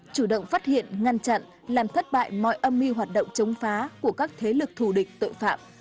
chủ động phát hiện ngăn chặn làm thất bại mọi âm mưu hoạt động chống phá của các thế lực thù địch tội phạm